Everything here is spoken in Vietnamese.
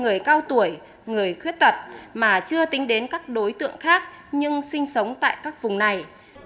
người cao tuổi người khuyết tật mà chưa tính đến các đối tượng khác nhưng sinh sống tại các vùng này